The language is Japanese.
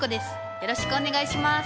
よろしくお願いします。